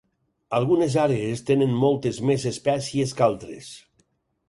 Algunes àrees tenen moltes més espècies que altres.